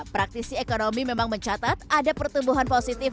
praktisi ekonomi memang mencatat ada pertumbuhan positif